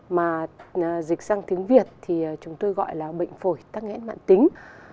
mà dịch sang tiếng việt thì chúng tôi gọi là bệnh phổi tăng nhãn mạng tính